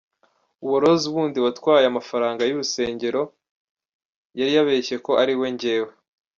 Uwo Rose wundi watwaye amafaranga y’urusengero yari yabeshye ko ari we njyewe.